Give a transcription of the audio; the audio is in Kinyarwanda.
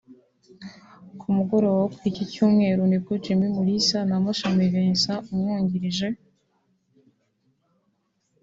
Ku mugoroba wo kuri iki Cyumweru nibwo Jimmy Mulisa na Mashami Vincent umwungirije